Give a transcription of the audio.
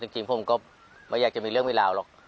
จริงผมก็ไม่อยากจะมีเรื่องมีราวหรอก